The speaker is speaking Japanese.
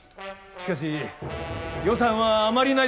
しかし予算はあまりないぞ。